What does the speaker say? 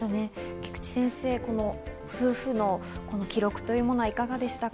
菊地先生、夫婦の記録はいかがでしたか？